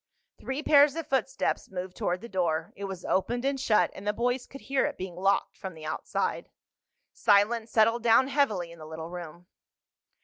Three pairs of footsteps moved toward the door. It was opened and shut, and the boys could hear it being locked from the outside. Silence settled down heavily in the little room.